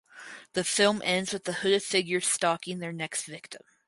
The film ends with the hooded figures stalking their next victim.